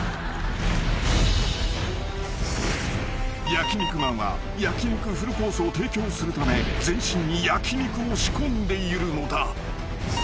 ［焼肉マンは焼き肉フルコースを提供するため全身に焼き肉を仕込んでいるのだ］